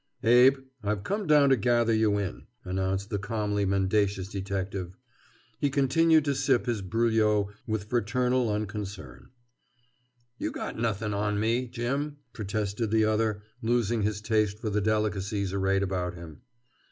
"Abe, I've come down to gather you in," announced the calmly mendacious detective. He continued to sip his bruilleau with fraternal unconcern. "You got nothing on me, Jim," protested the other, losing his taste for the delicacies arrayed about him.